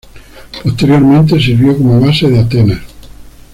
Posteriormente, sirvió como base de Atenas.